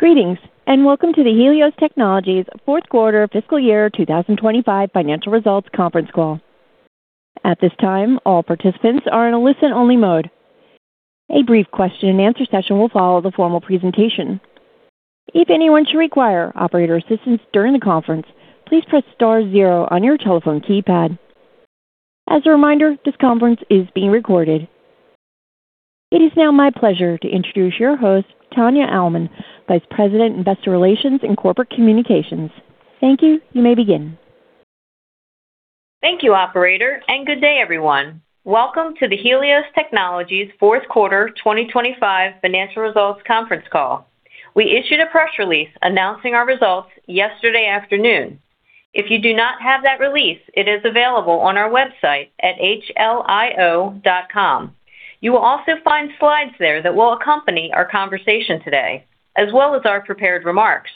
Greetings, and welcome to the Helios Technologies fourth quarter fiscal year 2025 financial results conference call. At this time, all participants are in a listen-only mode. A brief question-and-answer session will follow the formal presentation. If anyone should require operator assistance during the conference, please press star zero on your telephone keypad. As a reminder, this conference is being recorded. It is now my pleasure to introduce your host, Tania Almond, Vice President, Investor Relations and Corporate Communication. Thank you. You may begin. Thank you, operator. Good day, everyone. Welcome to the Helios Technologies fourth quarter 2025 financial results conference call. We issued a press release announcing our results yesterday afternoon. If you do not have that release, it is available on our website at hlio.com. You will also find slides there that will accompany our conversation today, as well as our prepared remarks.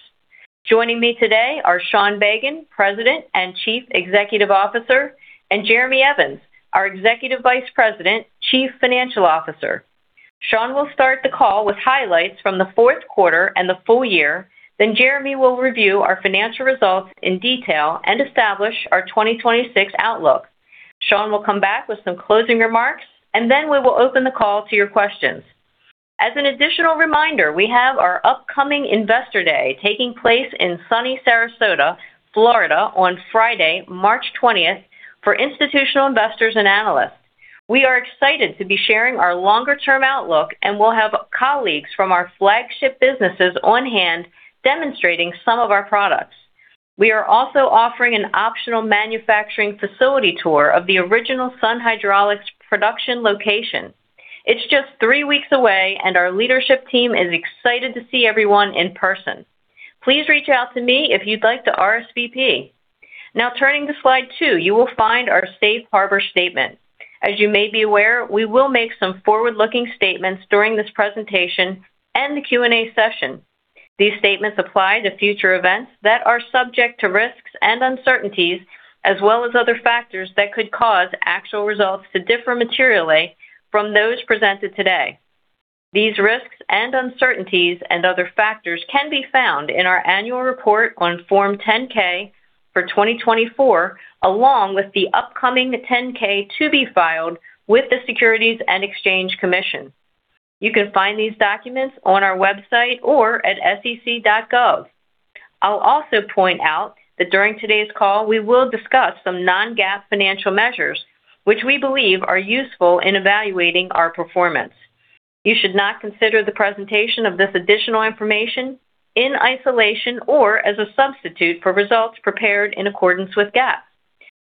Joining me today are Sean Bagan, President and Chief Executive Officer, and Jeremy Evans, our Executive Vice President, Chief Financial Officer. Sean will start the call with highlights from the fourth quarter and the full year. Jeremy will review our financial results in detail and establish our 2026 outlook. Sean will come back with some closing remarks, and then we will open the call to your questions. As an additional reminder, we have our upcoming Investor Day taking place in sunny Sarasota, Florida, on Friday, March 20th for institutional investors and analysts. We are excited to be sharing our longer-term outlook and will have colleagues from our flagship businesses on-hand demonstrating some of our products. We are also offering an optional manufacturing facility tour of the original Sun Hydraulics production location. It's just three weeks away, and our leadership team is excited to see everyone in person. Please reach out to me if you'd like to RSVP. Now turning to slide two, you will find our safe harbor statement. As you may be aware, we will make some forward-looking statements during this presentation and the Q&A session. These statements apply to future events that are subject to risks and uncertainties as well as other factors that could cause actual results to differ materially from those presented today. These risks and uncertainties and other factors can be found in our annual report on Form 10-K for 2024, along with the upcoming Form 10-K to be filed with the Securities and Exchange Commission. You can find these documents on our website or at sec.gov. I'll also point out that during today's call, we will discuss some non-GAAP financial measures which we believe are useful in evaluating our performance. You should not consider the presentation of this additional information in isolation or as a substitute for results prepared in accordance with GAAP.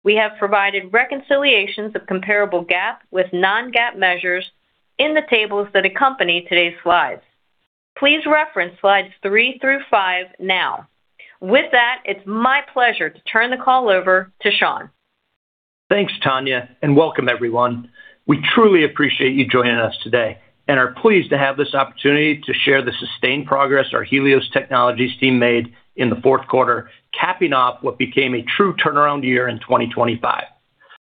We have provided reconciliations of comparable GAAP with non-GAAP measures in the tables that accompany today's slides. Please reference slides three through five now. With that, it's my pleasure to turn the call over to Sean. Thanks, Tania, and welcome everyone. We truly appreciate you joining us today and are pleased to have this opportunity to share the sustained progress our Helios Technologies team made in the fourth quarter, capping off what became a true turnaround year in 2025.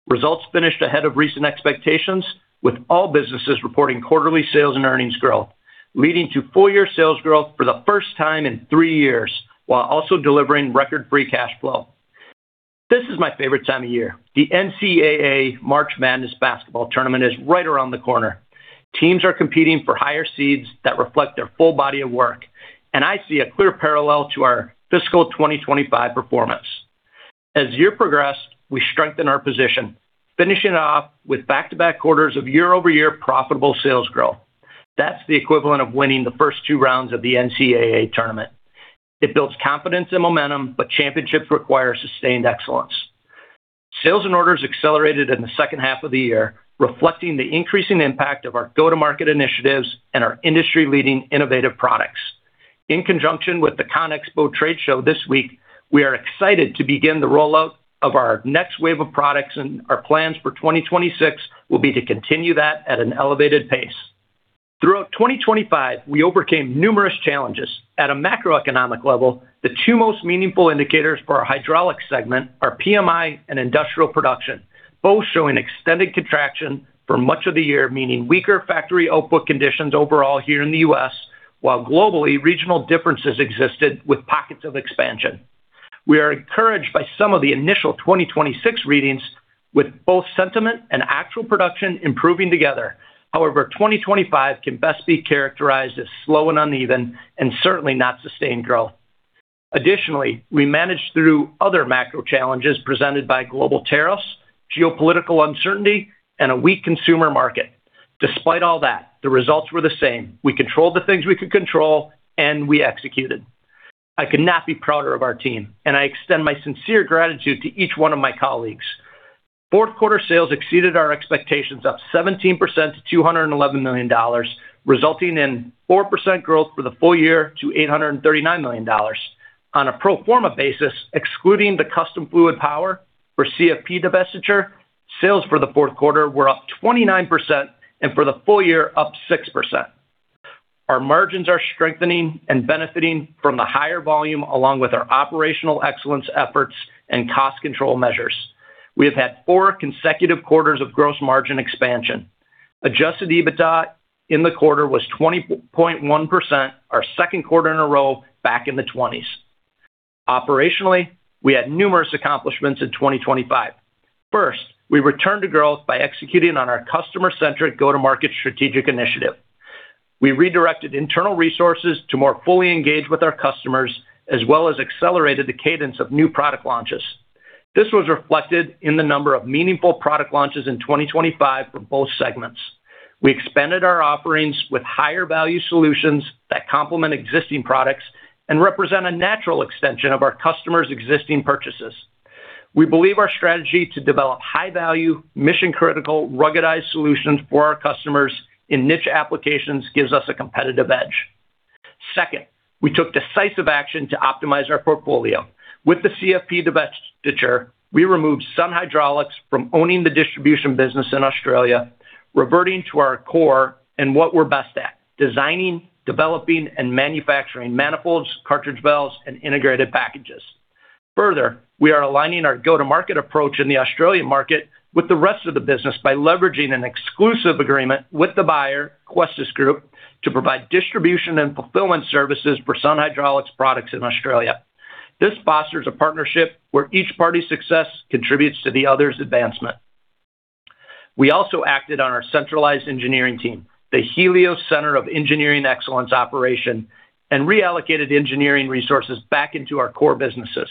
Results finished ahead of recent expectations, with all businesses reporting quarterly sales and earnings growth, leading to full-year sales growth for the first time in three years, while also delivering record free cash flow. This is my favorite time of year. The NCAA March Madness basketball tournament is right around the corner. Teams are competing for higher seeds that reflect their full body of work, and I see a clear parallel to our fiscal 2025 performance. As year progressed, we strengthened our position, finishing off with back-to-back quarters of year-over-year profitable sales growth. That's the equivalent of winning the first two rounds of the NCAA tournament. It builds confidence and momentum. Championships require sustained excellence. Sales and orders accelerated in the second half of the year, reflecting the increasing impact of our go-to-market initiatives and our industry-leading innovative products. In conjunction with the CONEXPO trade show this week, we are excited to begin the rollout of our next wave of products. Our plans for 2026 will be to continue that at an elevated pace. Throughout 2025, we overcame numerous challenges. At a macroeconomic level, the two most meaningful indicators for our hydraulics segment are PMI and industrial production, both showing extended contraction for much of the year, meaning weaker factory output conditions overall here in the U.S., while globally, regional differences existed with pockets of expansion. We are encouraged by some of the initial 2026 readings, with both sentiment and actual production improving together. 2025 can best be characterized as slow and uneven and certainly not sustained growth. We managed through other macro challenges presented by global tariffs, geopolitical uncertainty, and a weak consumer market. The results were the same. We controlled the things we could control, and we executed. I could not be prouder of our team, and I extend my sincere gratitude to each one of my colleagues. Fourth quarter sales exceeded our expectations, up 17% to $211 million, resulting in 4% growth for the full year to $839 million. On a pro forma basis, excluding the Custom Fluidpower for CFP divestiture, sales for the fourth quarter were up 29% and for the full year up 6%. Our margins are strengthening and benefiting from the higher volume along with our operational excellence efforts and cost control measures. We have had four consecutive quarters of gross margin expansion. Adjusted EBITDA in the quarter was 20.1%, our second quarter in a row back in the 20s. Operationally, we had numerous accomplishments in 2025. First, we returned to growth by executing on our customer-centric go-to-market strategic initiative. We redirected internal resources to more fully engage with our customers as well as accelerated the cadence of new product launches. This was reflected in the number of meaningful product launches in 2025 for both segments. We expanded our offerings with higher value solutions that complement existing products and represent a natural extension of our customers' existing purchases. We believe our strategy to develop high value, mission-critical, ruggedized solutions for our customers in niche applications gives us a competitive edge. Second, we took decisive action to optimize our portfolio. With the CFP divestiture, we removed some hydraulics from owning the distribution business in Australia, reverting to our core and what we're best at, designing, developing and manufacturing manifolds, cartridge valves and integrated packages. Further, we are aligning our go-to-market approach in the Australian market with the rest of the business by leveraging an exclusive agreement with the buyer, Questas Group, to provide distribution and fulfillment services for Sun Hydraulics products in Australia. This fosters a partnership where each party's success contributes to the other's advancement. We also acted on our centralized engineering team, the Helios Center of Engineering Excellence operation, and reallocated engineering resources back into our core businesses.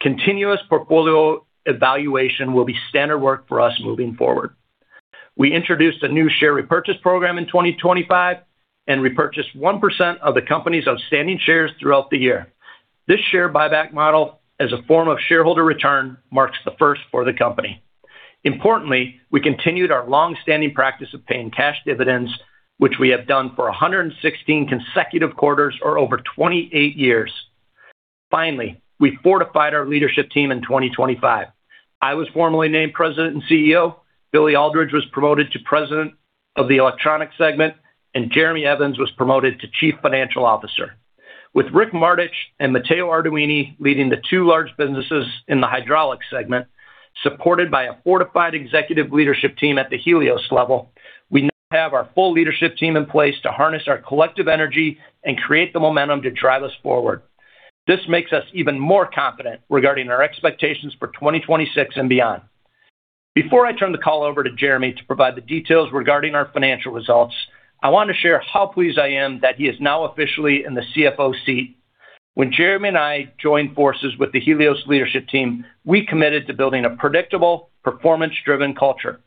Continuous portfolio evaluation will be standard work for us moving forward. We introduced a new share repurchase program in 2025 and repurchased 1% of the company's outstanding shares throughout the year. This share buyback model, as a form of shareholder return, marks the first for the company. Importantly, we continued our long-standing practice of paying cash dividends, which we have done for 116 consecutive quarters or over 28 years. Finally, we fortified our leadership team in 2025. I was formally named President and CEO. Billy Aldridge was promoted to President of the Electronics segment, and Jeremy Evans was promoted to Chief Financial Officer. With Rick Martich and Matteo Arduini leading the two large businesses in the Hydraulics segment, supported by a fortified executive leadership team at the Helios level, we now have our full leadership team in place to harness our collective energy and create the momentum to drive us forward. This makes us even more confident regarding our expectations for 2026 and beyond. Before I turn the call over to Jeremy to provide the details regarding our financial results, I want to share how pleased I am that he is now officially in the CFO seat. When Jeremy and I joined forces with the Helios leadership team, we committed to building a predictable, performance-driven culture.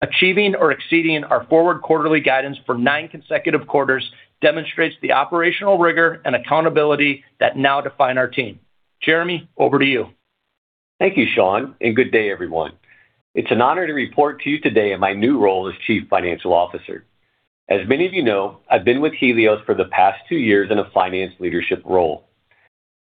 Achieving or exceeding our forward quarterly guidance for nine consecutive quarters demonstrates the operational rigor and accountability that now define our team. Jeremy, over to you. Thank you, Sean, and good day, everyone. It's an honor to report to you today in my new role as Chief Financial Officer. As many of you know, I've been with Helios for the past two years in a finance leadership role.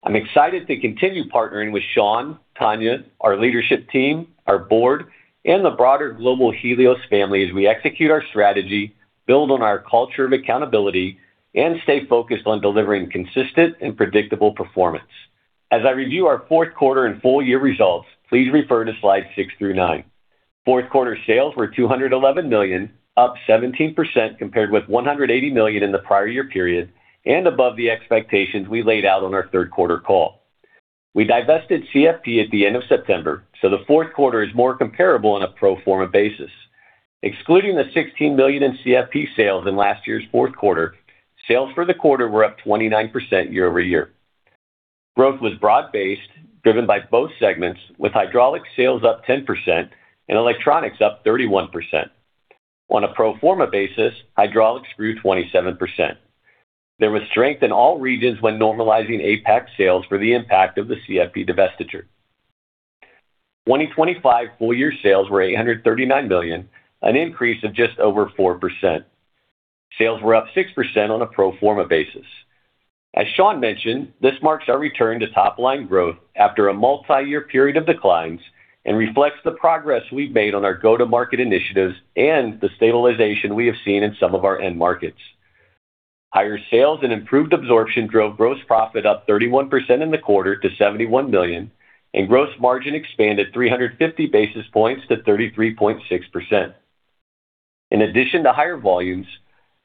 I'm excited to continue partnering with Sean, Tania, our leadership team, our board, and the broader global Helios family as we execute our strategy, build on our culture of accountability, and stay focused on delivering consistent and predictable performance. As I review our fourth quarter and full year results, please refer to slides six through nine. Fourth quarter sales were $211 million, up 17% compared with $180 million in the prior year period and above the expectations we laid out on our third quarter call. We divested CFP at the end of September, the fourth quarter is more comparable on a pro forma basis. Excluding the $16 million in CFP sales in last year's fourth quarter, sales for the quarter were up 29% year-over-year. Growth was broad-based, driven by both segments, with hydraulics sales up 10% and electronics up 31%. On a pro forma basis, hydraulics grew 27%. There was strength in all regions when normalizing APAC sales for the impact of the CFP divestiture. 2025 full-year sales were $839 million, an increase of just over 4%. Sales were up 6% on a pro forma basis. As Sean mentioned, this marks our return to top-line growth after a multi-year period of declines and reflects the progress we've made on our go-to-market initiatives and the stabilization we have seen in some of our end markets. Higher sales and improved absorption drove gross profit up 31% in the quarter to $71 million. Gross margin expanded 350 basis points to 33.6%. In addition to higher volumes,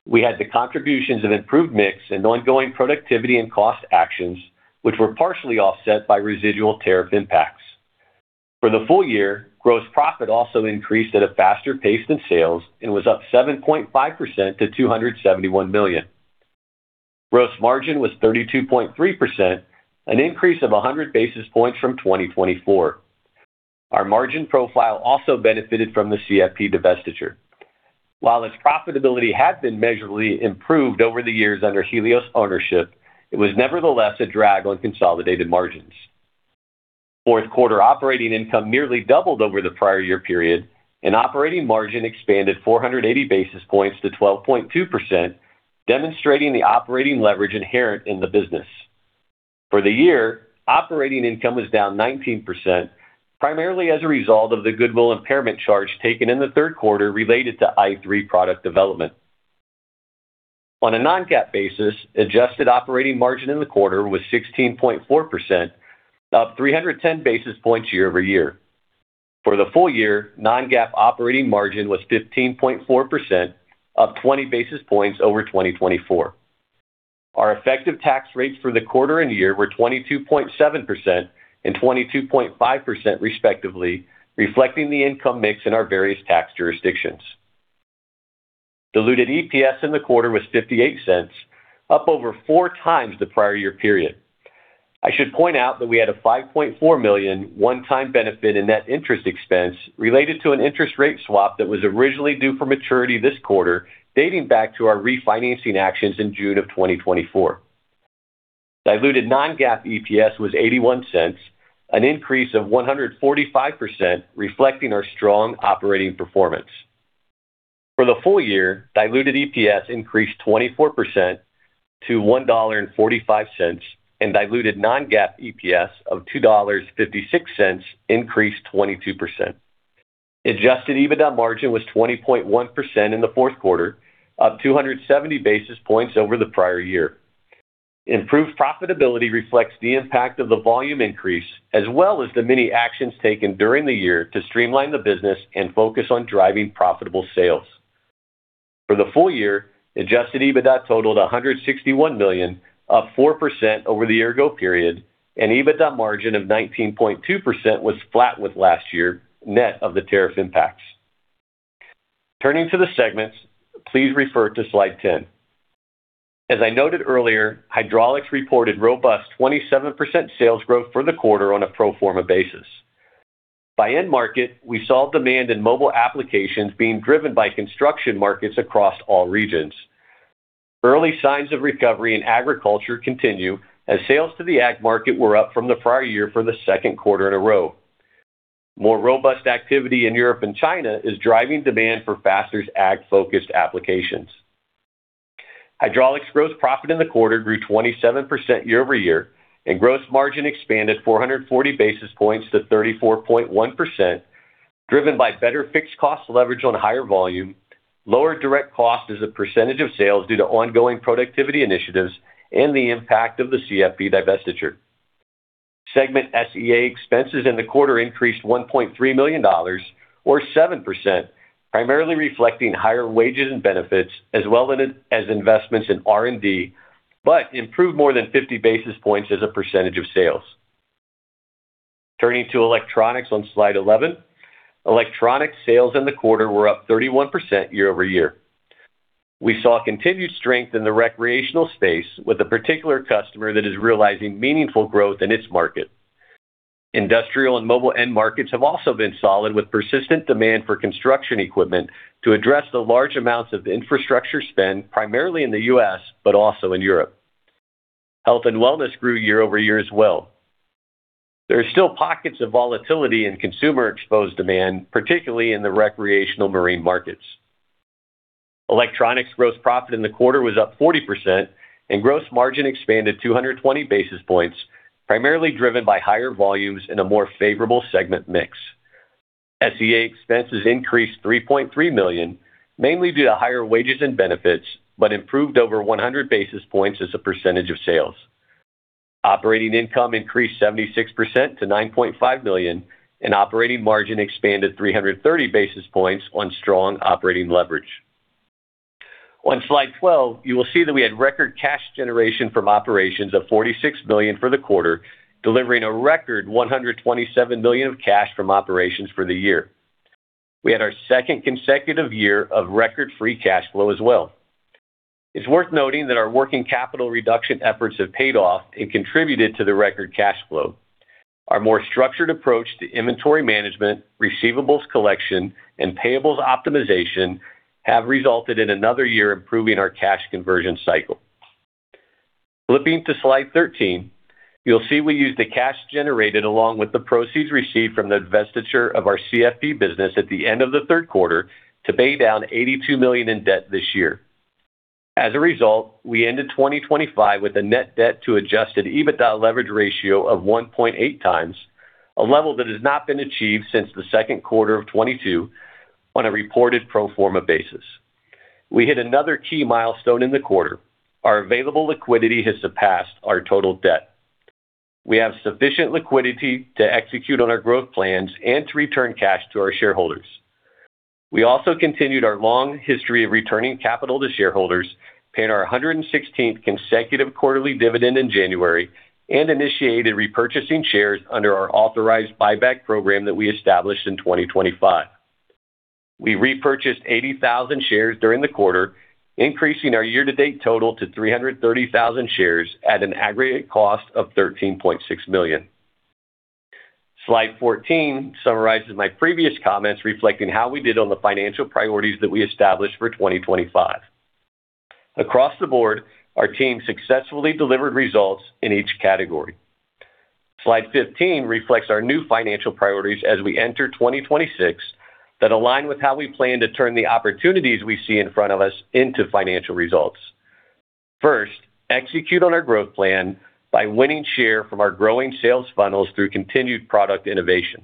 we had the contributions of improved mix and ongoing productivity and cost actions, which were partially offset by residual tariff impacts. For the full year, gross profit also increased at a faster pace than sales and was up 7.5% to $271 million. Gross margin was 32.3%, an increase of 100 basis points from 2024. Our margin profile also benefited from the CFP divestiture. While its profitability had been measurably improved over the years under Helios ownership, it was nevertheless a drag on consolidated margins. Fourth quarter operating income nearly doubled over the prior year period, and operating margin expanded 480 basis points to 12.2%, demonstrating the operating leverage inherent in the business. For the year, operating income was down 19%, primarily as a result of the goodwill impairment charge taken in the third quarter related to i3 Product Development. On a non-GAAP basis, adjusted operating margin in the quarter was 16.4%, up 310 basis points year-over-year. For the full year, non-GAAP operating margin was 15.4%, up 20 basis points over 2024. Our effective tax rates for the quarter and year were 22.7% and 22.5% respectively, reflecting the income mix in our various tax jurisdictions. Diluted EPS in the quarter was $0.58, up over 4x the prior year period. I should point out that we had a $5.4 million one-time benefit in net interest expense related to an interest rate swap that was originally due for maturity this quarter, dating back to our refinancing actions in June 2024. Diluted non-GAAP EPS was $0.81, an increase of 145%, reflecting our strong operating performance. For the full year, diluted EPS increased 24% to $1.45, and diluted non-GAAP EPS of $2.56 increased 22%. Adjusted EBITDA margin was 20.1% in the fourth quarter, up 270 basis points over the prior year. Improved profitability reflects the impact of the volume increase as well as the many actions taken during the year to streamline the business and focus on driving profitable sales. For the full year, adjusted EBITDA totaled $161 million, up 4% over the year ago period. EBITDA margin of 19.2% was flat with last year, net of the tariff impacts. Turning to the segments, please refer to slide 10. As I noted earlier, Hydraulics reported robust 27% sales growth for the quarter on a pro forma basis. By end market, we saw demand in mobile applications being driven by construction markets across all regions. Early signs of recovery in agriculture continue as sales to the ag market were up from the prior year for the second quarter in a row. More robust activity in Europe and China is driving demand for Faster ag-focused applications. Hydraulics gross profit in the quarter grew 27% year-over-year, and gross margin expanded 440 basis points to 34.1%, driven by better fixed cost leverage on higher volume, lower direct cost as a percentage of sales due to ongoing productivity initiatives, and the impact of the CFP divestiture. Segment SEA expenses in the quarter increased $1.3 million, or 7%, primarily reflecting higher wages and benefits as well as investments in R&D, but improved more than 50 basis points as a percentage of sales. Turning to Electronics on slide 11. Electronics sales in the quarter were up 31% year-over-year. We saw continued strength in the recreational space with a particular customer that is realizing meaningful growth in its market. Industrial and mobile end markets have also been solid with persistent demand for construction equipment to address the large amounts of infrastructure spend, primarily in the U.S., but also in Europe. Health and wellness grew year-over-year as well. There are still pockets of volatility in consumer-exposed demand, particularly in the recreational marine markets. Electronics gross profit in the quarter was up 40% and gross margin expanded 220 basis points, primarily driven by higher volumes and a more favorable segment mix. SEA expenses increased $3.3 million, mainly due to higher wages and benefits, but improved over 100 basis points as a percentage of sales. Operating income increased 76% to $9.5 million. Operating margin expanded 330 basis points on strong operating leverage. On slide 12, you will see that we had record cash generation from operations of $46 million for the quarter, delivering a record $127 million of cash from operations for the year. We had our second consecutive year of record free cash flow as well. It's worth noting that our working capital reduction efforts have paid off and contributed to the record cash flow. Our more structured approach to inventory management, receivables collection, and payables optimization have resulted in another year improving our cash conversion cycle. Flipping to slide 13, you'll see we used the cash generated along with the proceeds received from the divestiture of our CFP business at the end of the third quarter to pay down $82 million in debt this year. As a result, we ended 2025 with a net debt to adjusted EBITDA leverage ratio of 1.8x, a level that has not been achieved since the second quarter of 2022 on a reported pro forma basis. We hit another key milestone in the quarter. Our available liquidity has surpassed our total debt. We have sufficient liquidity to execute on our growth plans and to return cash to our shareholders. We also continued our long history of returning capital to shareholders, paying our 116th consecutive quarterly dividend in January and initiated repurchasing shares under our authorized buyback program that we established in 2025. We repurchased 80,000 shares during the quarter, increasing our year-to-date total to 330,000 shares at an aggregate cost of $13.6 million. Slide 14 summarizes my previous comments reflecting how we did on the financial priorities that we established for 2025. Across the board, our team successfully delivered results in each category. Slide 15 reflects our new financial priorities as we enter 2026 that align with how we plan to turn the opportunities we see in front of us into financial results. First, execute on our growth plan by winning share from our growing sales funnels through continued product innovation.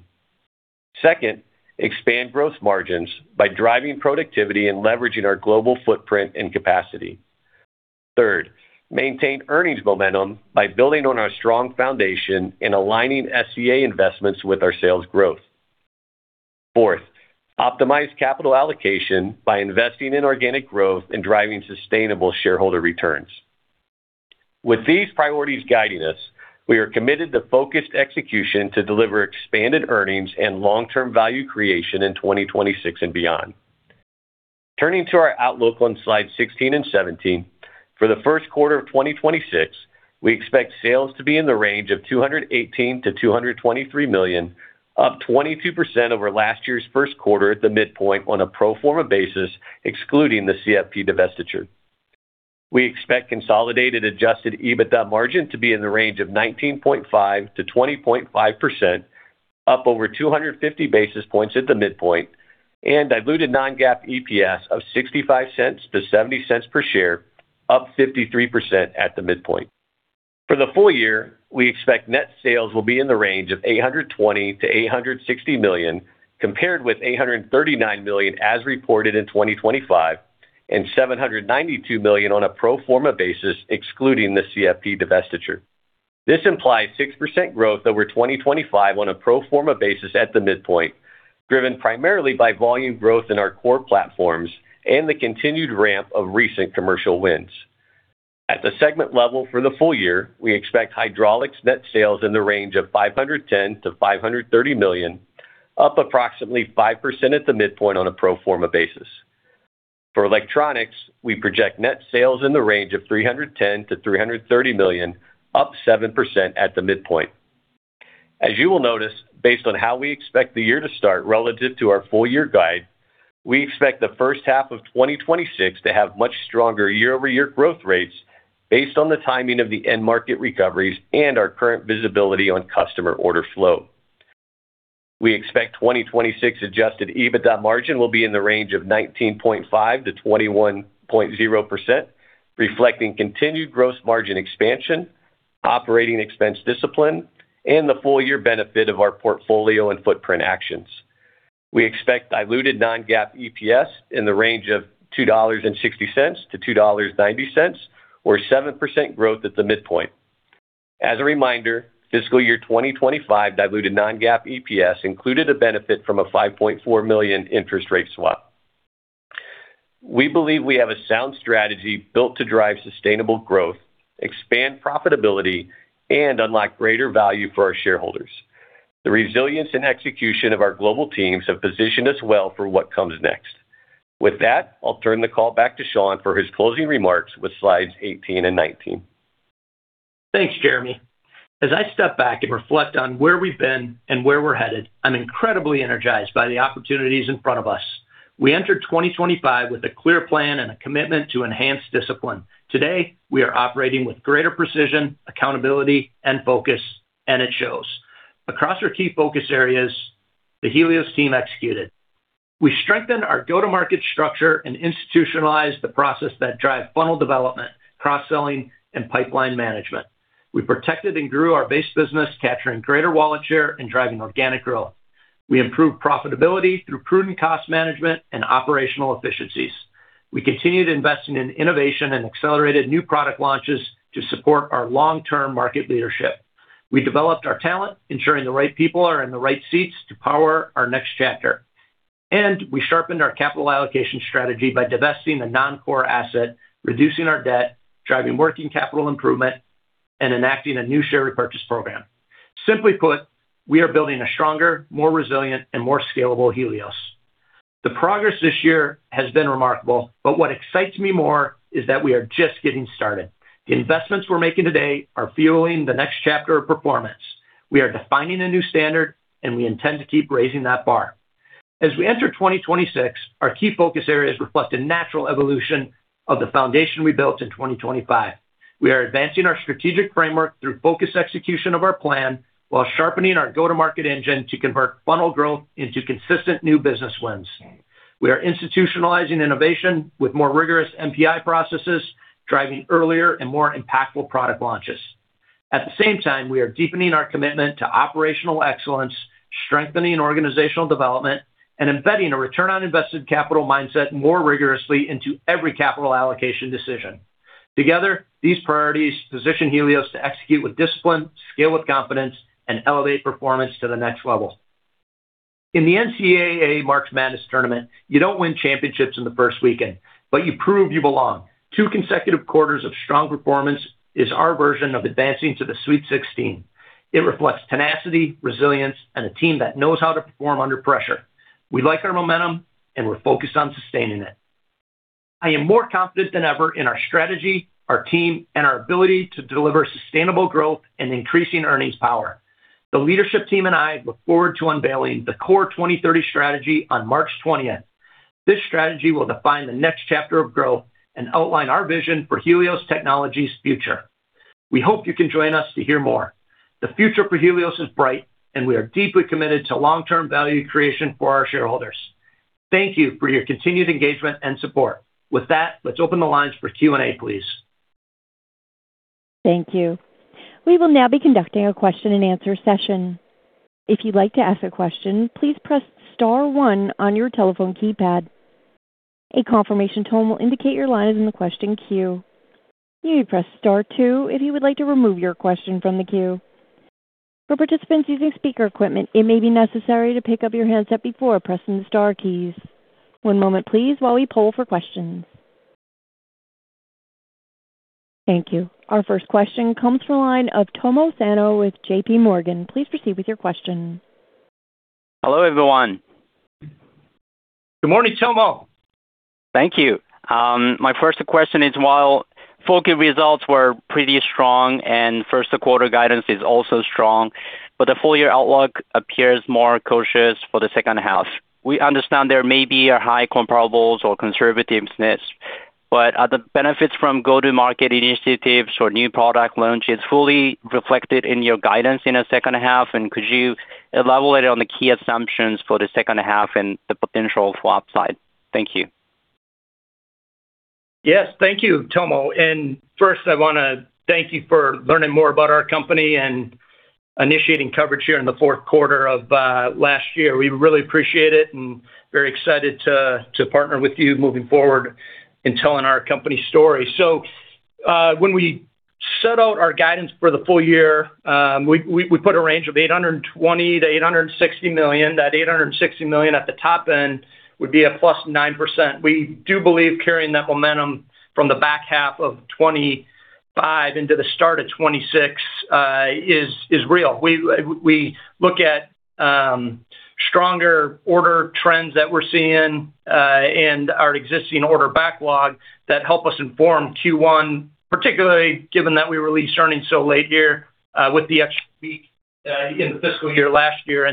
Second, expand growth margins by driving productivity and leveraging our global footprint and capacity. Third, maintain earnings momentum by building on our strong foundation and aligning SEA investments with our sales growth. Fourth, optimize capital allocation by investing in organic growth and driving sustainable shareholder returns. With these priorities guiding us, we are committed to focused execution to deliver expanded earnings and long-term value creation in 2026 and beyond. Turning to our outlook on slide 16 and 17. For the first quarter of 2026, we expect sales to be in the range of $218 million-$223 million, up 22% over last year's first quarter at the midpoint on a pro forma basis, excluding the CFP divestiture. We expect consolidated adjusted EBITDA margin to be in the range of 19.5%-20.5%, up over 250 basis points at the midpoint, and diluted non-GAAP EPS of $0.65-$0.70 per share, up 53% at the midpoint. For the full year, we expect net sales will be in the range of $820 million-$860 million, compared with $839 million as reported in 2025 and $792 million on a pro forma basis, excluding the CFP divestiture. This implies 6% growth over 2025 on a pro forma basis at the midpoint, driven primarily by volume growth in our core platforms and the continued ramp of recent commercial wins. At the segment level for the full year, we expect hydraulics net sales in the range of $510 million-$530 million, up approximately 5% at the midpoint on a pro forma basis. For electronics, we project net sales in the range of $310 million-$330 million, up 7% at the midpoint. As you will notice, based on how we expect the year to start relative to our full year guide, we expect the first half of 2026 to have much stronger year-over-year growth rates based on the timing of the end market recoveries and our current visibility on customer order flow. We expect 2026 adjusted EBITDA margin will be in the range of 19.5%-21.0%, reflecting continued gross margin expansion, operating expense discipline, and the full year benefit of our portfolio and footprint actions. We expect diluted non-GAAP EPS in the range of $2.60-$2.90, or 7% growth at the midpoint. As a reminder, fiscal year 2025 diluted non-GAAP EPS included a benefit from a $5.4 million interest rate swap. We believe we have a sound strategy built to drive sustainable growth, expand profitability, and unlock greater value for our shareholders. The resilience and execution of our global teams have positioned us well for what comes next. With that, I'll turn the call back to Sean for his closing remarks with slides 18 and 19. Thanks, Jeremy. As I step back and reflect on where we've been and where we're headed, I'm incredibly energized by the opportunities in front of us. We entered 2025 with a clear plan and a commitment to enhance discipline. Today, we are operating with greater precision, accountability, and focus. It shows. Across our key focus areas, the Helios team executed. We strengthened our go-to-market structure and institutionalized the process that drive funnel development, cross-selling, and pipeline management. We protected and grew our base business, capturing greater wallet share and driving organic growth. We improved profitability through prudent cost management and operational efficiencies. We continued investing in innovation and accelerated new product launches to support our long-term market leadership. We developed our talent, ensuring the right people are in the right seats to power our next chapter. We sharpened our capital allocation strategy by divesting a non-core asset, reducing our debt, driving working capital improvement, and enacting a new share repurchase program. Simply put, we are building a stronger, more resilient, and more scalable Helios. The progress this year has been remarkable, but what excites me more is that we are just getting started. The investments we're making today are fueling the next chapter of performance. We are defining a new standard, and we intend to keep raising that bar. As we enter 2026, our key focus areas reflect a natural evolution of the foundation we built in 2025. We are advancing our strategic framework through focused execution of our plan while sharpening our go-to-market engine to convert funnel growth into consistent new business wins. We are institutionalizing innovation with more rigorous NPI processes, driving earlier and more impactful product launches. At the same time, we are deepening our commitment to operational excellence, strengthening organizational development, and embedding a return on invested capital mindset more rigorously into every capital allocation decision. Together, these priorities position Helios to execute with discipline, scale with confidence, and elevate performance to the next level. In the NCAA March Madness tournament, you don't win championships in the first weekend, but you prove you belong. Two consecutive quarters of strong performance is our version of advancing to the Sweet 16. It reflects tenacity, resilience, and a team that knows how to perform under pressure. We like our momentum, and we're focused on sustaining it. I am more confident than ever in our strategy, our team, and our ability to deliver sustainable growth and increasing earnings power. The leadership team and I look forward to unveiling the Core 2030 Strategy on March 20th. This strategy will define the next chapter of growth and outline our vision for Helios Technologies' future. We hope you can join us to hear more. The future for Helios is bright, and we are deeply committed to long-term value creation for our shareholders. Thank you for your continued engagement and support. With that, let's open the lines for Q&A, please. Thank you. We will now be conducting a question and answer session. If you'd like to ask a question, please press star one on your telephone keypad. A confirmation tone will indicate your line is in the question queue. You may press star two if you would like to remove your question from the queue. For participants using speaker equipment, it may be necessary to pick up your handset before pressing the star keys. One moment please while we poll for questions. Thank you. Our first question comes from the line of Tomo Sano with JPMorgan. Please proceed with your question. Hello, everyone. Good morning, Tomo. Thank you. My first question is, while full year results were pretty strong and first quarter guidance is also strong, but the full year outlook appears more cautious for the second half. We understand there may be a high comparables or conservativeness, but are the benefits from go-to-market initiatives or new product launches fully reflected in your guidance in the second half? Could you elaborate on the key assumptions for the second half and the potential for upside? Thank you. Yes. Thank you, Tomo. First, I want to thank you for learning more about our company and initiating coverage here in the fourth quarter of last year. We really appreciate it and very excited to partner with you moving forward in telling our company story. When we set out our guidance for the full year, we put a range of $820 million-$860 million. That $860 million at the top end would be a +9%. We do believe carrying that momentum from the back half of 2025 into the start of 2026 is real. We look at stronger order trends that we're seeing and our existing order backlog that help us inform Q1, particularly given that we released earnings so late here with the extra week in the fiscal year last year.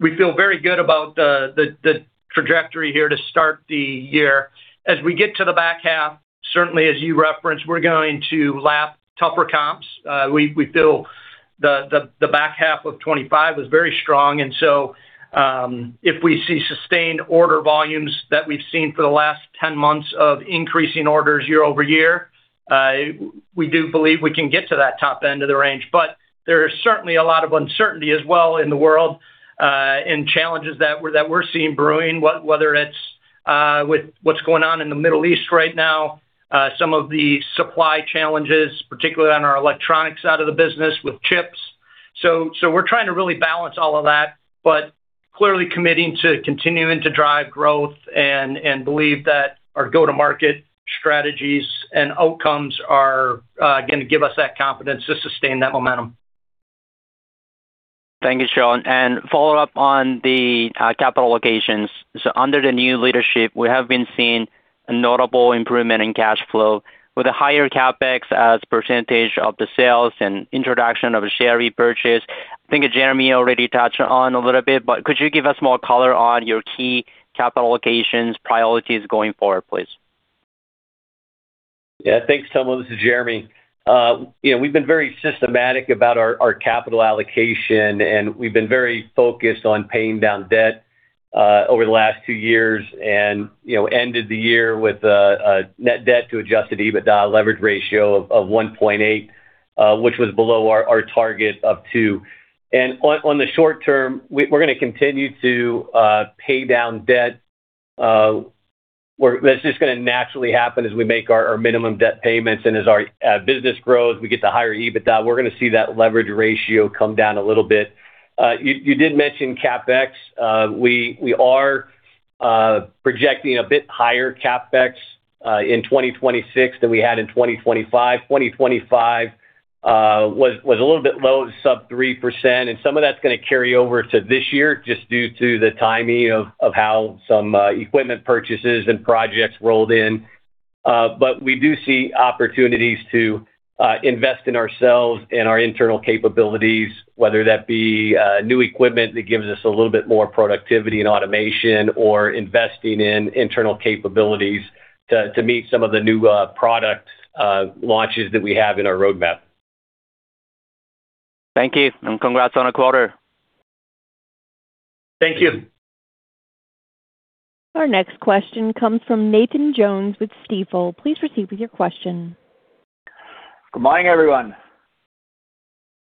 We feel very good about the trajectory here to start the year. As we get to the back half, certainly as you referenced, we're going to lap tougher comps. We feel the back half of 2025 was very strong. If we see sustained order volumes that we've seen for the last 10 months of increasing orders year-over-year, we do believe we can get to that top end of the range. There is certainly a lot of uncertainty as well in the world, and challenges that we're seeing brewing, whether it's with what's going on in the Middle East right now, some of the supply challenges, particularly on our electronics side of the business with chips. We're trying to really balance all of that, but clearly committing to continuing to drive growth and believe that our go-to-market strategies and outcomes are going to give us that confidence to sustain that momentum. Thank you, Sean. Follow up on the capital allocations. Under the new leadership, we have been seeing a notable improvement in cash flow with a higher CapEx as percentage of the sales and introduction of a share repurchase. I think Jeremy already touched on a little bit, but could you give us more color on your key capital allocations priorities going forward, please? Yeah. Thanks, Tomo. This is Jeremy. You know, we've been very systematic about our capital allocation. We've been very focused on paying down debt over the last two years and, you know, ended the year with a net debt to adjusted EBITDA leverage ratio of 1.8, which was below our target of 2. On the short term, we're gonna continue to pay down debt. That's just gonna naturally happen as we make our minimum debt payments. As our business grows, we get to higher EBITDA, we're gonna see that leverage ratio come down a little bit. You did mention CapEx. We are projecting a bit higher CapEx in 2026 than we had in 2025. 2025 was a little bit low, sub 3%, and some of that's gonna carry over to this year just due to the timing of how some equipment purchases and projects rolled in. We do see opportunities to invest in ourselves and our internal capabilities, whether that be new equipment that gives us a little bit more productivity and automation or investing in internal capabilities to meet some of the new product launches that we have in our roadmap. Thank you, and congrats on the quarter. Thank you. Our next question comes from Nathan Jones with Stifel. Please proceed with your question. Good morning, everyone.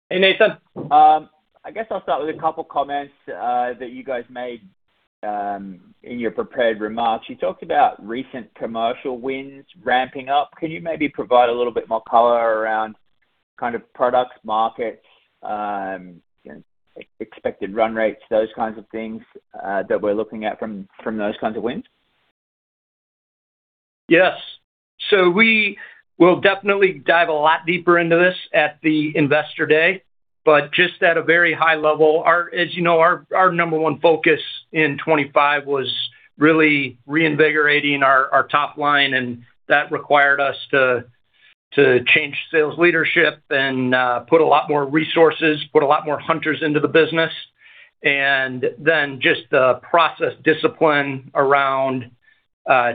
Hey, Nathan. I guess I'll start with a couple comments that you guys made in your prepared remarks. You talked about recent commercial wins ramping up. Can you maybe provide a little bit more color around kind of products, markets, expected run rates, those kinds of things that we're looking at from those kinds of wins? Yes. We will definitely dive a lot deeper into this at the Investor Day, but just at a very high level, as you know, our number one focus in 2025 was really reinvigorating our top line, and that required us to change sales leadership and put a lot more resources, put a lot more hunters into the business. Then just the process discipline around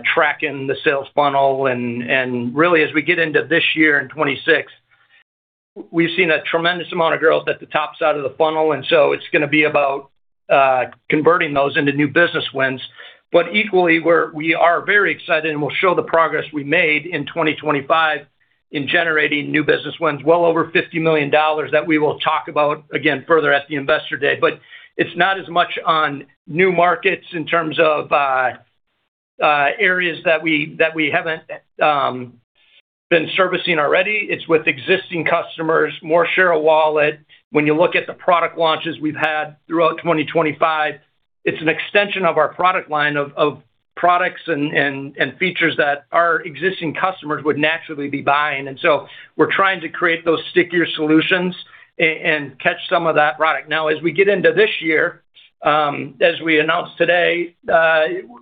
tracking the sales funnel and really as we get into this year in 2026. We've seen a tremendous amount of growth at the top side of the funnel, so it's gonna be about converting those into new business wins. Equally, we are very excited, and we'll show the progress we made in 2025 in generating new business wins well over $50 million that we will talk about again further at the Investor Day. It's not as much on new markets in terms of areas that we, that we haven't been servicing already. It's with existing customers, more share of wallet. When you look at the product launches we've had throughout 2025, it's an extension of our product line of products and, and features that our existing customers would naturally be buying. We're trying to create those stickier solutions and catch some of that product. Now, as we get into this year, as we announced today,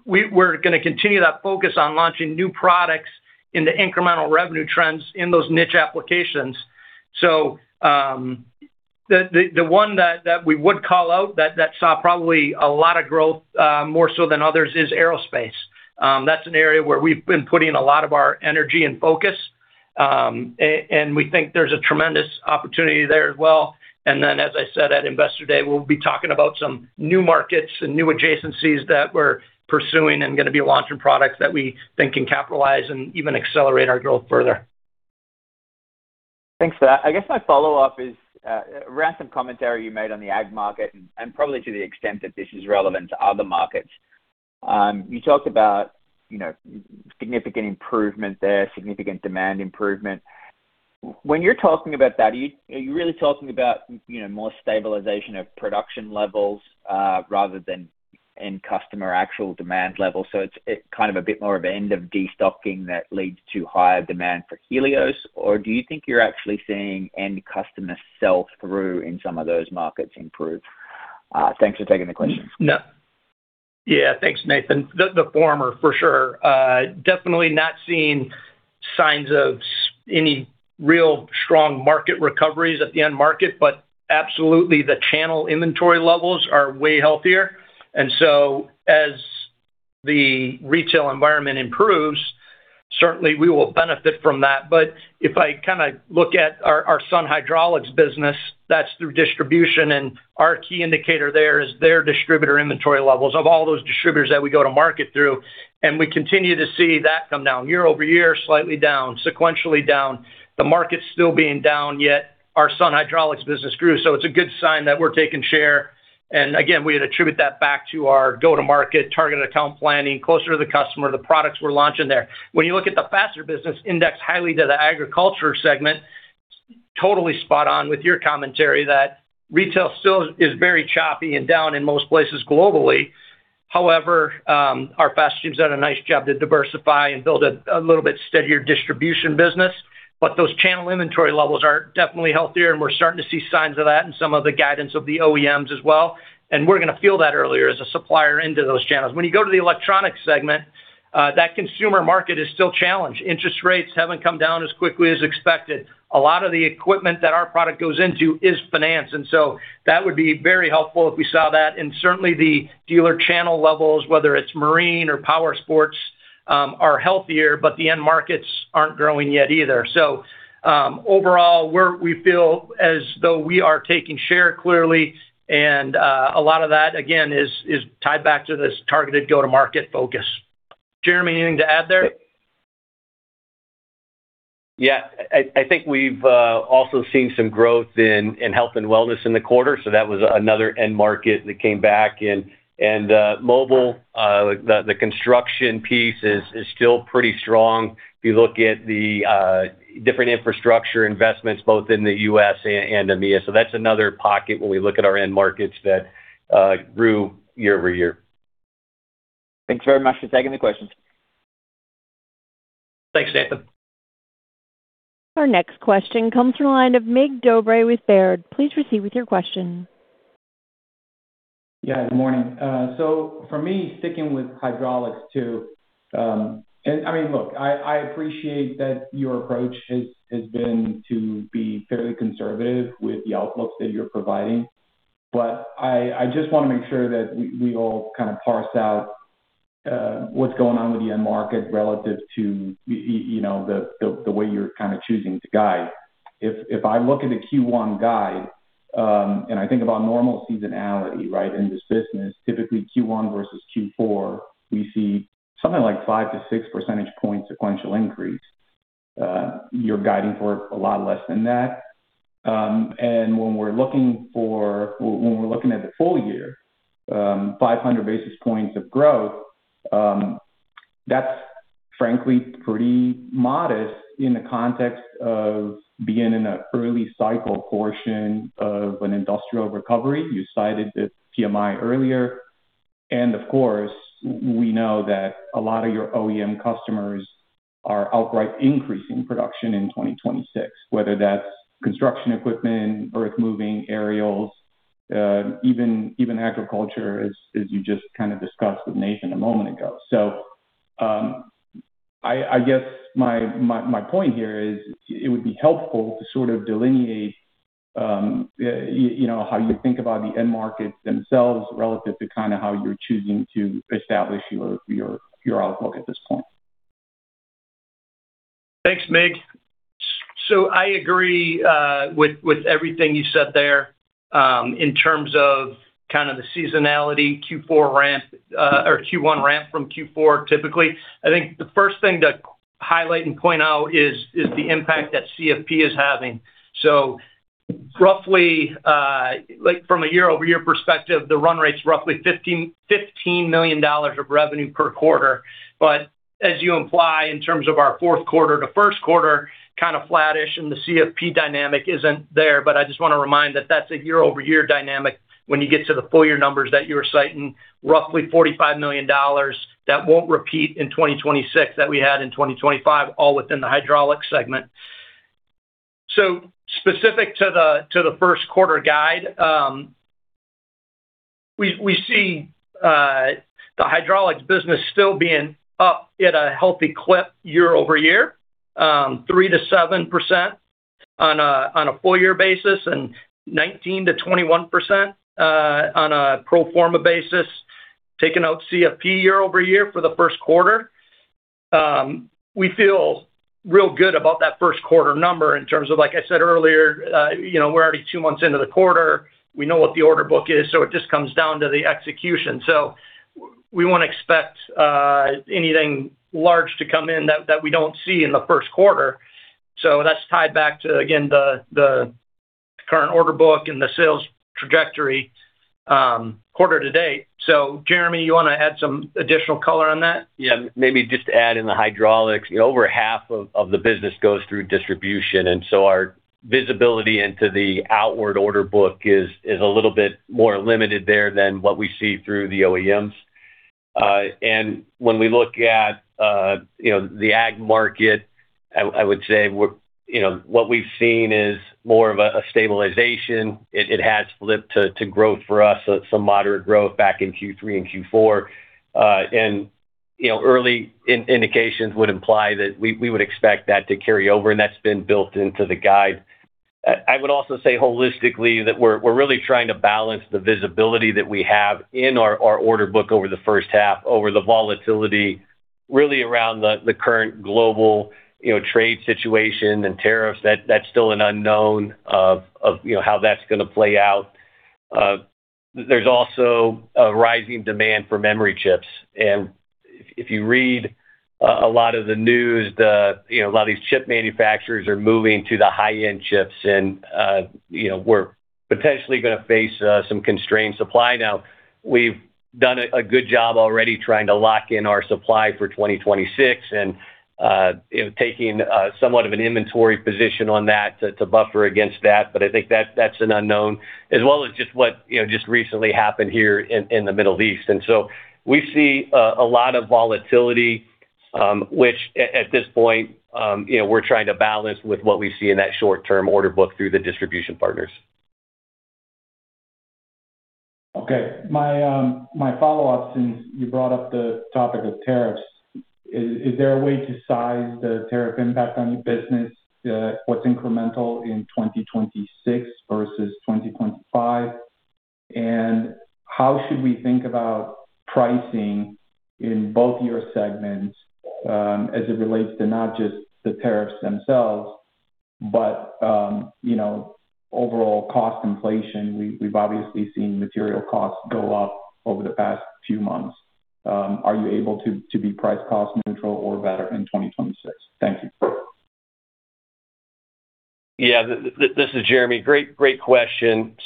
we're gonna continue that focus on launching new products into incremental revenue trends in those niche applications. The one that we would call out that saw probably a lot of growth more so than others is aerospace. That's an area where we've been putting a lot of our energy and focus, and we think there's a tremendous opportunity there as well. As I said, at Investor Day, we'll be talking about some new markets and new adjacencies that we're pursuing and gonna be launching products that we think can capitalize and even accelerate our growth further. Thanks for that. I guess my follow-up is around some commentary you made on the ag market and probably to the extent that this is relevant to other markets. You talked about, you know, significant improvement there, significant demand improvement. When you're talking about that, are you really talking about, you know, more stabilization of production levels, rather than end customer actual demand levels? It's kind of a bit more of end of destocking that leads to higher demand for Helios? Do you think you're actually seeing end customer sell-through in some of those markets improve? Thanks for taking the question. No. Yeah. Thanks, Nathan. The former for sure. Definitely not seeing signs of any real strong market recoveries at the end market, but absolutely, the channel inventory levels are way healthier. As the retail environment improves, certainly we will benefit from that. If I kinda look at our Sun Hydraulics business, that's through distribution, and our key indicator there is their distributor inventory levels of all those distributors that we go to market through, and we continue to see that come down year-over-year, slightly down, sequentially down. The market's still being down, yet our Sun Hydraulics business grew. So it's a good sign that we're taking share. Again, we'd attribute that back to our go-to-market, target account planning, closer to the customer, the products we're launching there. When you look at the Faster business indexed highly to the agriculture segment, totally spot on with your commentary that retail still is very choppy and down in most places globally. Our Faster team's done a nice job to diversify and build a little bit steadier distribution business. Those channel inventory levels are definitely healthier, and we're starting to see signs of that in some of the guidance of the OEMs as well. We're gonna feel that earlier as a supplier into those channels. When you go to the Electronics segment, that consumer market is still challenged. Interest rates haven't come down as quickly as expected. A lot of the equipment that our product goes into is finance, so that would be very helpful if we saw that. Certainly, the dealer channel levels, whether it's marine or power sports, are healthier, but the end markets aren't growing yet either. Overall, we feel as though we are taking share clearly, and a lot of that, again, is tied back to this targeted go-to-market focus. Jeremy, anything to add there? Yeah. I think we've also seen some growth in health and wellness in the quarter, so that was another end market that came back. Mobile, the construction piece is still pretty strong if you look at the different infrastructure investments both in the U.S. and EMEA. That's another pocket when we look at our end markets that grew year-over-year. Thanks very much for taking the questions. Thanks, Nathan. Our next question comes from the line of Mircea Dobre with Baird. Please proceed with your question. Yeah, good morning. For me, sticking with hydraulics too, I mean, look, I appreciate that your approach has been to be fairly conservative with the outlooks that you're providing, but I just wanna make sure that we all kind of parse out what's going on with the end market relative to, you know, the way you're kind of choosing to guide. If I look at the Q1 guide, and I think about normal seasonality, right, in this business, typically Q1 versus Q4, we see something like 5-6 percentage point sequential increase. You're guiding for a lot less than that. When we're looking for. When we're looking at the full year, 500 basis points of growth, that's frankly pretty modest in the context of being in an early cycle portion of an industrial recovery. You cited the PMI earlier. Of course, we know that a lot of your OEM customers are outright increasing production in 2026, whether that's construction equipment, earthmoving, aerials, even agriculture as you just kind of discussed with Nathan a moment ago. I guess my point here is it would be helpful to sort of delineate, you know, how you think about the end markets themselves relative to kinda how you're choosing to establish your, your outlook at this point. Thanks, Mircea. I agree with everything you said there, in terms of kind of the seasonality Q4 ramp or Q1 ramp from Q4, typically. I think the first thing to highlight and point out is the impact that CFP is having. Roughly, like, from a year-over-year perspective, the run rate's roughly $15 million of revenue per quarter. As you imply, in terms of our fourth quarter to first quarter, kind of flattish, and the CFP dynamic isn't there. I just wanna remind that that's a year-over-year dynamic when you get to the full year numbers that you were citing, roughly $45 million that won't repeat in 2026 that we had in 2025, all within the hydraulics segment. Specific to the, to the first quarter guide, we see the hydraulics business still being up at a healthy clip year-over-year, 3%-7% on a, on a full year basis, and 19%-21% on a pro forma basis, taking out CFP year-over-year for the first quarter. We feel real good about that first quarter number in terms of, like I said earlier, you know, we're already two months into the quarter. We know what the order book is, so it just comes down to the execution. We won't expect anything large to come in that we don't see in the first quarter. That's tied back to, again, the current order book and the sales trajectory, quarter-to-date. Jeremy, you wanna add some additional color on that? Maybe just to add in the hydraulics, over half of the business goes through distribution, our visibility into the outward order book is a little bit more limited there than what we see through the OEMs. When we look at, you know, the ag market, I would say you know, what we've seen is more of a stabilization. It has flipped to growth for us, so some moderate growth back in Q3 and Q4. You know, early indications would imply that we would expect that to carry over, and that's been built into the guide. I would also say holistically that we're really trying to balance the visibility that we have in our order book over the first half over the volatility really around the current global, you know, trade situation and tariffs. That's still an unknown of, you know, how that's gonna play out. There's also a rising demand for memory chips. If read, a lot of the news, you know, a lot of these chip manufacturers are moving to the high-end chips and, you know, we're potentially gonna face some constrained supply. Now, we've done a good job already trying to lock in our supply for 2026 and, you know, taking somewhat of an inventory position on that to buffer against that. I think that's an unknown as well as just what, you know, just recently happened here in the Middle East. We see a lot of volatility, which at this point, you know, we're trying to balance with what we see in that short-term order book through the distribution partners. Okay. My, my follow-up, since you brought up the topic of tariffs, is there a way to size the tariff impact on your business, what's incremental in 2026 versus 2025? How should we think about pricing in both your segments, as it relates to not just the tariffs themselves, but, you know, overall cost inflation? We've obviously seen material costs go up over the past few months. Are you able to be price cost neutral or better in 2026? Thank you. Yeah. This is Jeremy. Great question.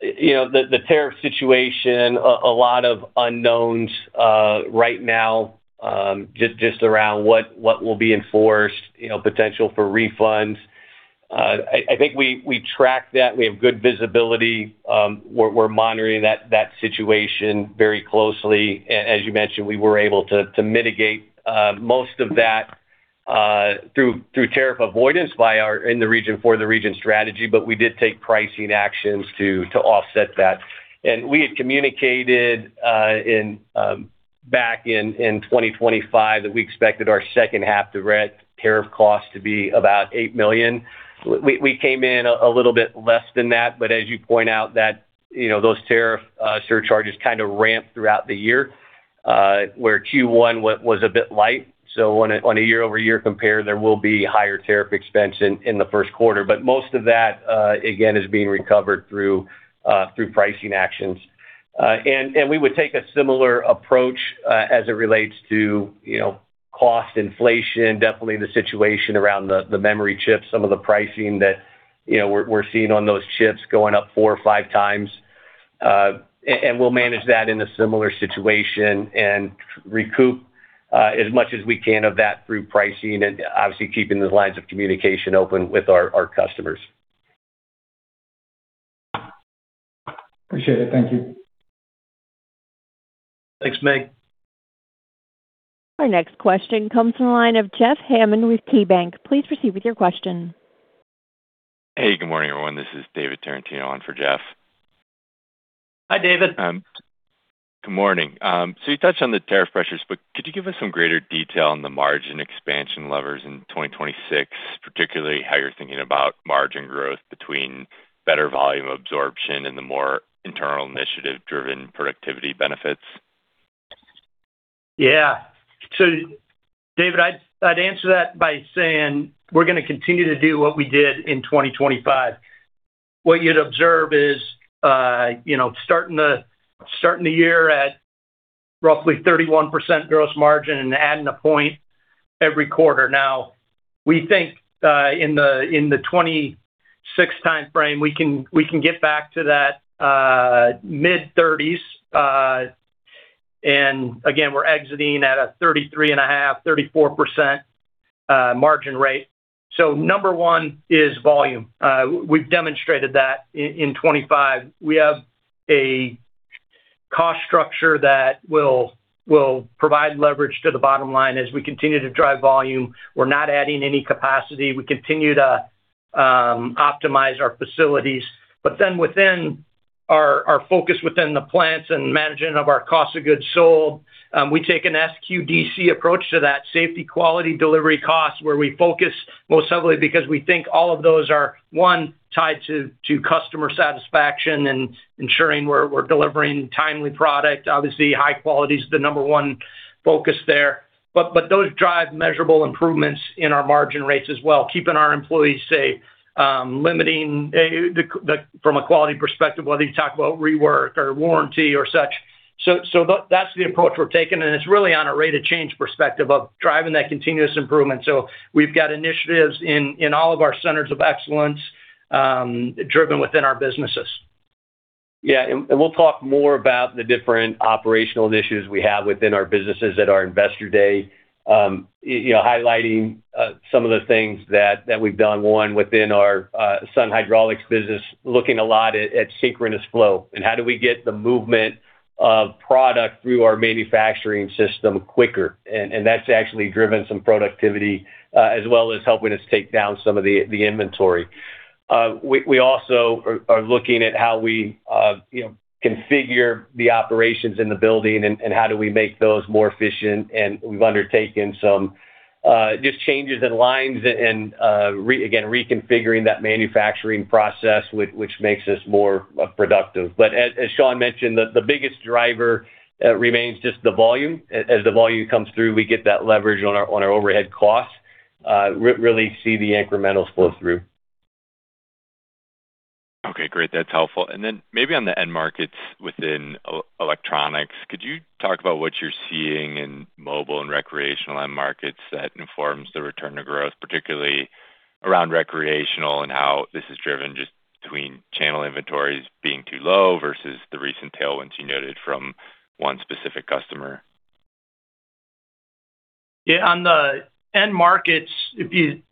You know, the tariff situation, a lot of unknowns right now, just around what will be enforced, you know, potential for refunds. I think we track that. We have good visibility. We're monitoring that situation very closely. As you mentioned, we were able to mitigate most of that through tariff avoidance by our in the region for the region strategy, but we did take pricing actions to offset that. We had communicated in back in 2025 that we expected our second half direct tariff cost to be about $8 million. We came in a little bit less than that, as you point out that, you know, those tariff surcharges kinda ramped throughout the year, where Q1 was a bit light. On a year-over-year compare, there will be higher tariff expense in the first quarter. Most of that, again, is being recovered through pricing actions. And we would take a similar approach as it relates to, you know, cost inflation, definitely the situation around the memory chips, some of the pricing that, you know, we're seeing on those chips going up 4x or 5x. And we'll manage that in a similar situation and recoup as much as we can of that through pricing and obviously keeping those lines of communication open with our customers. Appreciate it. Thank you. Thanks, Mircea. Our next question comes from the line of Jeff Hammond with KeyBanc. Please proceed with your question. Hey, good morning, everyone. This is David Tarantino on for Jeff. Hi, David. Good morning. You touched on the tariff pressures, could you give us some greater detail on the margin expansion levers in 2026? Particularly how you're thinking about margin growth between better volume absorption and the more internal initiative-driven productivity benefits. Yeah. David, I'd answer that by saying we're gonna continue to do what we did in 2025. What you'd observe is, you know, starting the year at roughly 31% gross margin and adding 1 point every quarter. We think in the 2026 timeframe, we can get back to that mid-30s. Again, we're exiting at a 33.5%-34% margin rate. Number one is volume. We've demonstrated that in 2025. We have a cost structure that will provide leverage to the bottom line as we continue to drive volume. We're not adding any capacity. We continue to optimize our facilities. Within our focus within the plants and management of our cost of goods sold, we take an SQDC approach to that safety, quality, delivery, cost, where we focus most heavily because we think all of those are, one, tied to customer satisfaction and ensuring we're delivering timely product. Obviously, high quality is the number one focus there. Those drive measurable improvements in our margin rates as well, keeping our employees safe, limiting from a quality perspective, whether you talk about rework or warranty or such. That's the approach we're taking, and it's really on a rate of change perspective of driving that continuous improvement. We've got initiatives in all of our centers of excellence, driven within our businesses. Yeah. We'll talk more about the different operational initiatives we have within our businesses at our Investor Day. You know, highlighting some of the things that we've done, one, within our Sun Hydraulics business, looking a lot at synchronous flow and how do we get the movement of product through our manufacturing system quicker. That's actually driven some productivity as well as helping us take down some of the inventory. We also are looking at how we, you know, configure the operations in the building and how do we make those more efficient. We've undertaken some just changes in lines and again, reconfiguring that manufacturing process which makes us more productive. As Sean mentioned, the biggest driver remains just the volume. As the volume comes through, we get that leverage on our, on our overhead costs. Really see the incrementals flow through. Okay, great. That's helpful. Maybe on the end markets within electronics, could you talk about what you're seeing in mobile and recreational end markets that informs the return to growth, particularly around recreational and how this is driven just between channel inventories being too low versus the recent tailwinds you noted from one specific customer? On the end markets, if you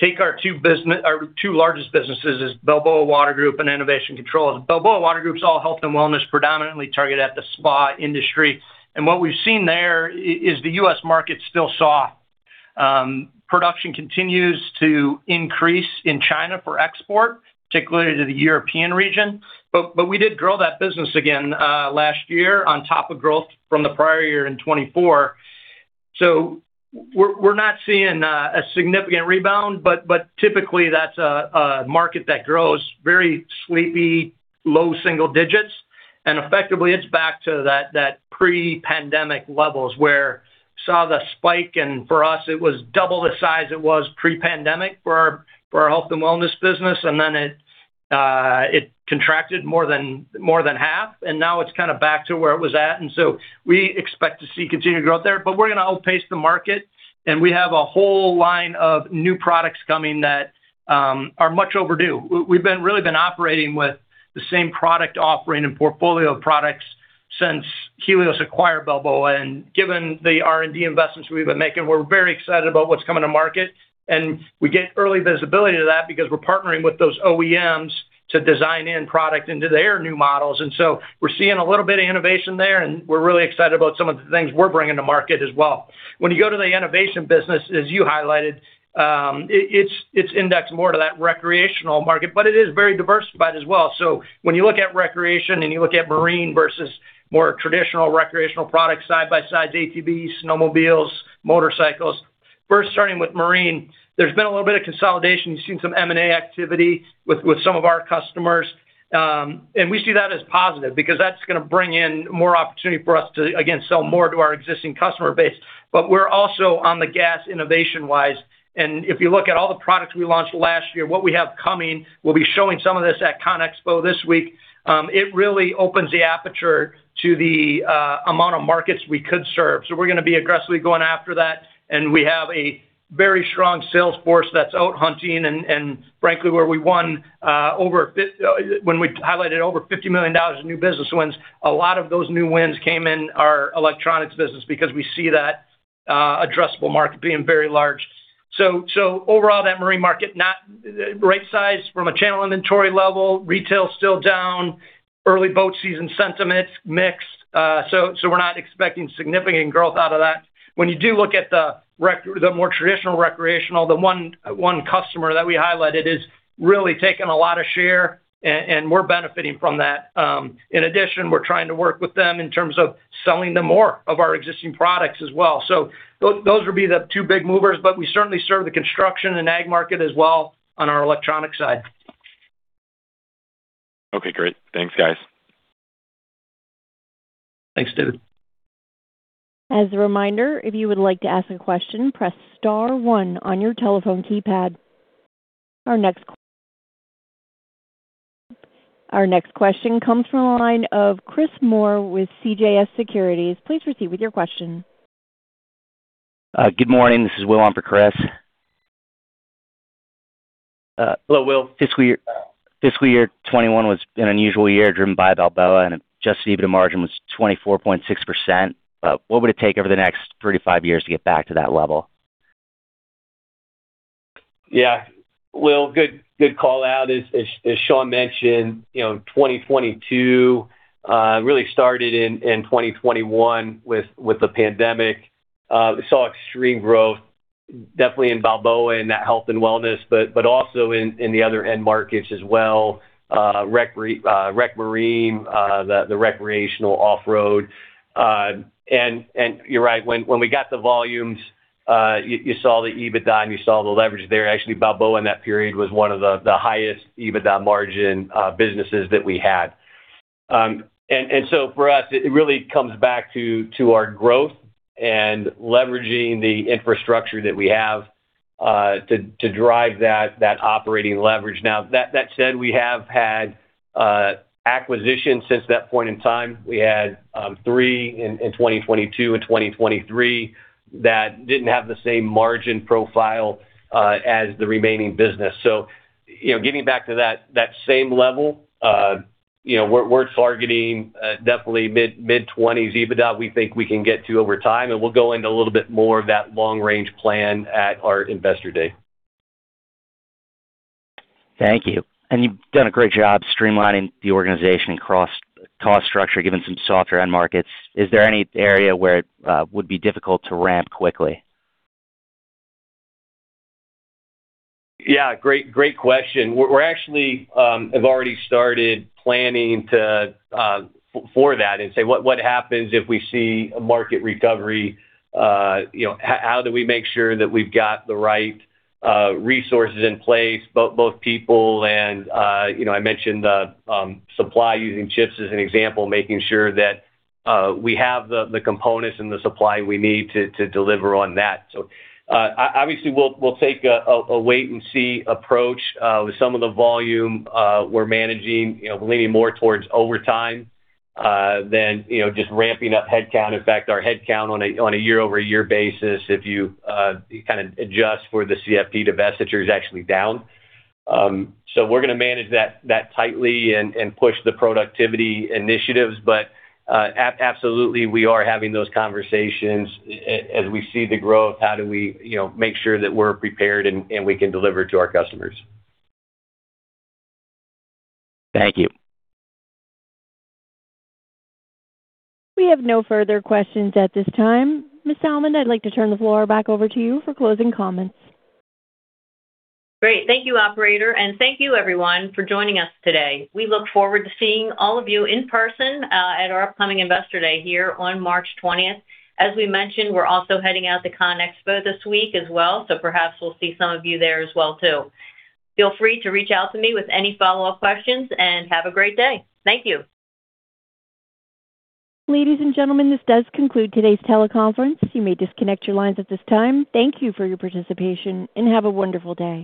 take our two largest businesses is Balboa Water Group and Enovation Controls. Balboa Water Group's all health and wellness predominantly target at the spa industry. What we've seen there is the U.S. market's still soft. Production continues to increase in China for export, particularly to the European region. We did grow that business again last year on top of growth from the prior year in 2024. We're not seeing a significant rebound, but typically that's a market that grows very sleepy, low single digits. Effectively it's back to that pre-pandemic levels, where saw the spike, and for us it was double the size it was pre-pandemic for our health and wellness business, and then it contracted more than half, and now it's kind of back to where it was at. We expect to see continued growth there. We're gonna outpace the market, and we have a whole line of new products coming that are much overdue. We've been really been operating with the same product offering and portfolio of products since Helios acquired Balboa. Given the R&D investments we've been making, we're very excited about what's coming to market. We get early visibility to that because we're partnering with those OEMs to design in product into their new models. We're seeing a little bit of innovation there, and we're really excited about some of the things we're bringing to market as well. When you go to the innovation business, as you highlighted, it's indexed more to that recreational market, but it is very diversified as well. When you look at recreation and you look at marine versus more traditional recreational products, side-by-sides, ATVs, snowmobiles, motorcycles. First starting with marine, there's been a little bit of consolidation. You've seen some M&A activity with some of our customers. We see that as positive because that's gonna bring in more opportunity for us to, again, sell more to our existing customer base. We're also on the gas innovation-wise. If you look at all the products we launched last year, what we have coming, we'll be showing some of this at CONEXPO this week, it really opens the aperture to the amount of markets we could serve. We're gonna be aggressively going after that, and we have a very strong sales force that's out hunting. Frankly, where we won, when we highlighted over $50 million of new business wins, a lot of those new wins came in our electronics business because we see that addressable market being very large. Overall, that marine market not the right size from a channel inventory level. Retail's still down. Early boat season sentiment's mixed. We're not expecting significant growth out of that. When you do look at the more traditional recreational, the one customer that we highlighted is really taking a lot of share and we're benefiting from that. In addition, we're trying to work with them in terms of selling them more of our existing products as well. Those would be the two big movers, but we certainly serve the construction and ag market as well on our electronic side. Okay, great. Thanks, guys. Thanks, David. As a reminder, if you would like to ask a question, press star one on your telephone keypad. Our next question comes from the line of Chris Moore with CJS Securities. Please proceed with your question. Good morning. This is Will on for Chris. Hello, Will. Fiscal year, fiscal year 2021 was an unusual year driven by Balboa, and adjusted EBITDA margin was 24.6%. What would it take over the next three to five years to get back to that level? Will, good call out. As Sean mentioned, you know, 2022 really started in 2021 with the pandemic. We saw extreme growth definitely in Balboa and that health and wellness, but also in the other end markets as well, rec marine, the recreational off-road. You're right, when we got the volumes, you saw the EBITDA and you saw the leverage there. Actually, Balboa in that period was one of the highest EBITDA margin businesses that we had. So for us, it really comes back to our growth and leveraging the infrastructure that we have to drive that operating leverage. That said, we have had acquisitions since that point in time. We had three in 2022 and 2023 that didn't have the same margin profile as the remaining business. You know, getting back to that same level, you know, we're targeting definitely mid-20s EBITDA we think we can get to over time, and we'll go into a little bit more of that long-range plan at our Investor Day. Thank you. You've done a great job streamlining the organization and cost structure, given some softer end markets. Is there any area where it would be difficult to ramp quickly? Great, great question. We're actually, have already started planning to for that and say, what happens if we see a market recovery? you know, how do we make sure that we've got the right resources in place, both people and, you know, I mentioned supply using chips as an example, making sure that we have the components and the supply we need to deliver on that. obviously, we'll take a wait and see approach. With some of the volume, we're managing, you know, leaning more towards overtime than, you know, just ramping up headcount. In fact, our headcount on a year-over-year basis, if you kind of adjust for the CFP divestiture, is actually down. We're gonna manage that tightly and push the productivity initiatives. Absolutely, we are having those conversations as we see the growth, how do we, you know, make sure that we're prepared and we can deliver to our customers. Thank you. We have no further questions at this time. Tania Almond, I'd like to turn the floor back over to you for closing comments. Great. Thank you, operator, and thank you everyone for joining us today. We look forward to seeing all of you in person at our upcoming Investor Day here on March 20th. As we mentioned, we're also heading out to CONEXPO this week as well, so perhaps we'll see some of you there as well too. Feel free to reach out to me with any follow-up questions, and have a great day. Thank you. Ladies and gentlemen, this does conclude today's teleconference. You may disconnect your lines at this time. Thank you for your participation, and have a wonderful day.